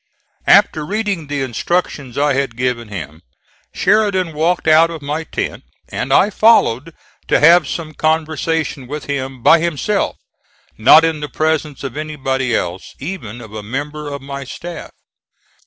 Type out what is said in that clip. After reading the instructions I had given him, Sheridan walked out of my tent, and I followed to have some conversation with him by himself not in the presence of anybody else, even of a member of my staff.